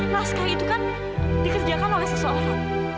naskah itu kan dikerjakan oleh seseorang